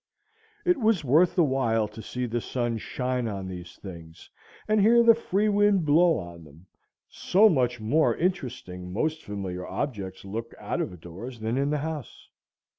It was worth the while to see the sun shine on these things, and hear the free wind blow on them; so much more interesting most familiar objects look out of doors than in the house.